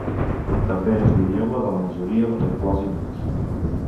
També és l'idioma de la majoria de rituals hindús.